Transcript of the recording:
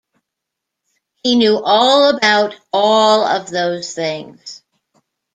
He knew all about all of those things.